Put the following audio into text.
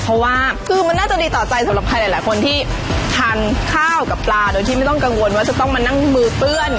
เพราะว่าคือมันน่าจะดีต่อใจสำหรับใครหลายคนที่ทานข้าวกับปลาโดยที่ไม่ต้องกังวลว่าจะต้องมานั่งมือเปื้อน